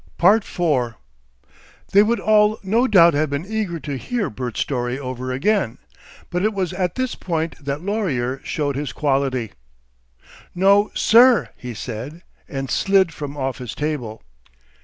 4 They would all no doubt have been eager to hear Bert's story over again, but it was it this point that Laurier showed his quality. "No, SIR," he said, and slid from off his table.